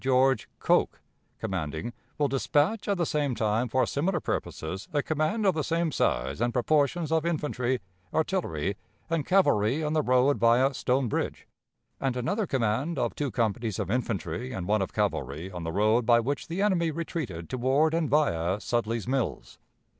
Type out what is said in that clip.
George Cocke, commanding, will dispatch at the same time, for similar purposes, a command of the same size and proportions of infantry, artillery, and cavalry on the road via Stone Bridge; and another command of two companies of infantry and one of cavalry on the road by which the enemy retreated toward and via Sudley's Mills.